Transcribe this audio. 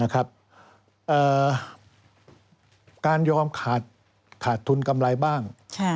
การยอมขาดทุนกำไรบ้าง